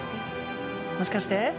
もしかして？